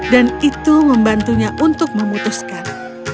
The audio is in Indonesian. dan itu membantunya untuk memutuskan